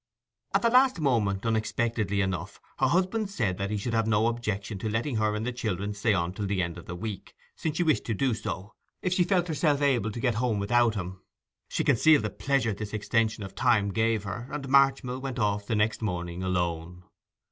At the last moment, unexpectedly enough, her husband said that he should have no objection to letting her and the children stay on till the end of the week, since she wished to do so, if she felt herself able to get home without him. She concealed the pleasure this extension of time gave her; and Marchmill went off the next morning alone.